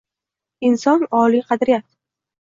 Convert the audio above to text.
Inson – oliy qadriyat.